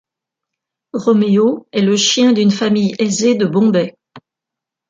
Romeo est le chien d'une famille aisée de Bombay.